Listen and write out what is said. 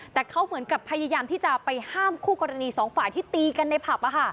แต่เขาเหมือนกับพยายามที่จะไปห้ามคู่กรณีสองฝ่ายที่ตีกันในผับ